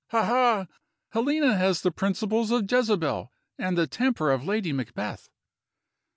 Ha! ha! Helena has the principles of Jezebel, and the temper of Lady Macbeth."